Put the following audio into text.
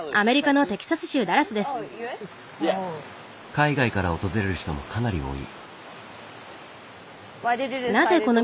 海外から訪れる人もかなり多い。